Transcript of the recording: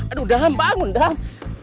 aduh daham bangun daham